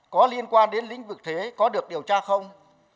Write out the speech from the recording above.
có liên quan đến lĩnh vực thuế có được điều tra không